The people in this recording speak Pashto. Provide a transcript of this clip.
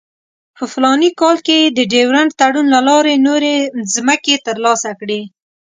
په فلاني کال کې یې د ډیورنډ تړون له لارې نورې مځکې ترلاسه کړې.